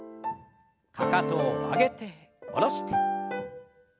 かかとを上げて下ろして。